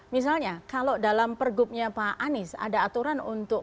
misalnya kalau dalam pergubnya pak anies ada aturan untuk